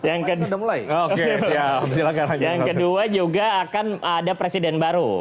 yang kedua juga akan ada presiden baru